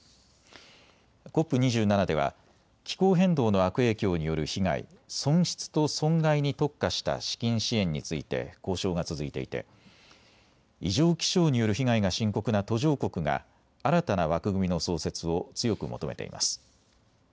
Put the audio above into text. ＣＯＰ２７では気候変動の悪影響による被害、損失と損害に特化した資金支援について交渉が続いていて異常気象による被害が深刻な途上国が新たな枠組みの創設を強く求めています。